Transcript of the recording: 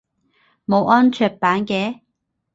冇安卓版嘅？